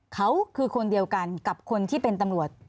เขาคือคนเดียวกันกับคนที่เป็นตำรวจ